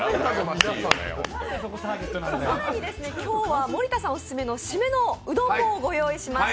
更に今日は森田さんオススメの締めのうどんもご用意しました。